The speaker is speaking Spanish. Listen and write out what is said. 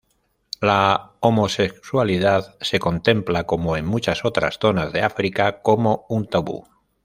La homosexualidad se contempla, como en muchas otras zonas de África, como un tabú.